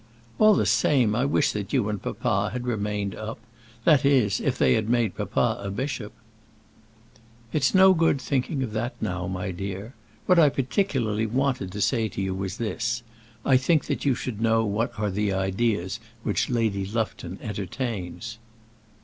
"All the same, I wish that you and papa had remained up; that is, if they had made papa a bishop." "It's no good thinking of that now, my dear. What I particularly wanted to say to you was this: I think you should know what are the ideas which Lady Lufton entertains."